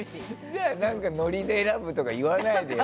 じゃあ、ノリで選ぶとか言わないでよ。